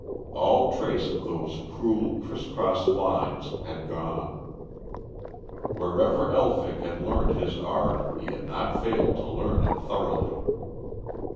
All trace of those cruel criss cross lines had gone. Wherever Elphick had learned his art, he had not failed to learn it thoroughly.